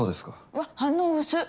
うわ反応薄っ。